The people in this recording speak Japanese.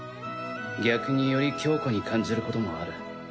逆により強固に感じることもある。